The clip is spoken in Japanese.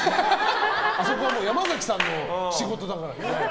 あそこは山崎さんの仕事だからね。